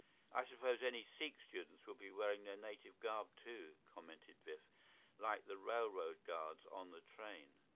"I suppose any Sikh students will be wearing their native garb, too," commented Biff, "like the railroad guards on the train.